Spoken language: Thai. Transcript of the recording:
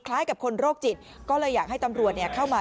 กับคนโรคจิตก็เลยอยากให้ตำรวจเข้ามา